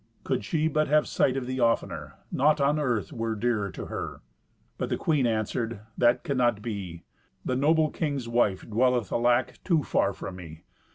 Could she but have sight of thee oftener, naught on earth were dearer to her." But the queen answered, "That cannot be. The noble king's wife dwelleth, alack! too far from me.